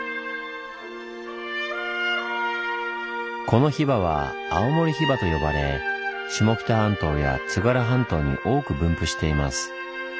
このヒバは「青森ヒバ」と呼ばれ下北半島や津軽半島に多く分布しています。